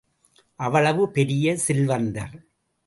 அவ்வளவு பெரிய செல்வந்தர்.